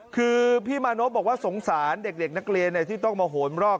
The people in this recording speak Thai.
คือพี่มานพบอกว่าสงสารเด็กนักเรียนที่ต้องมาโหนรอก